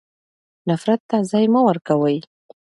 نفرت ته ځای مه ورکوئ.